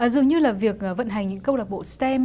dường như là việc vận hành những câu lạc bộ stem